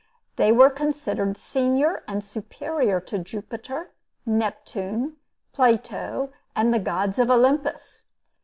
They were considered senior and superior to Jupiter, Neptune, Plato, and the gods of Olympus.